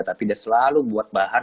tapi dia selalu buat bahan